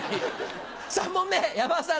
３問目山田さん